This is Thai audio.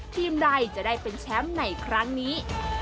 ทีมใดจะได้เป็นแชมป์ในครั้งนี้